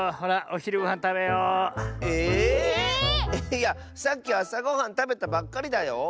いやさっきあさごはんたべたばっかりだよ！